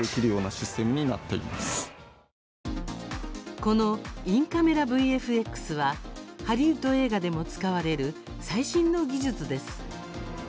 このインカメラＶＦＸはハリウッド映画でも使われる最新の技術です。